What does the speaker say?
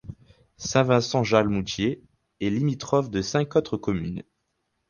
Saint-Vincent-Jalmoutiers est limitrophe de cinq autres communes.